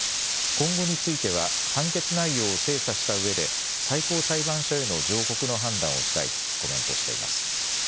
今後については判決内容を精査したうえで最高裁判所への上告の判断をしたいとコメントしています。